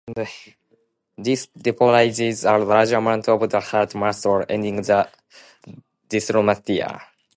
This depolarizes a large amount of the heart muscle, ending the dysrhythmia.